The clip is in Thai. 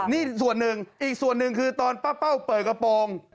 นี่ส่วนหนึ่งอีกส่วนหนึ่งคือตอนป้าเป้าเปิดกระโปรง